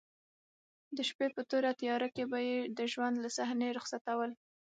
د شپې په توره تیاره کې به یې د ژوند له صحنې رخصتول.